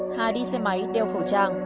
hà đi xe máy đeo khẩu trang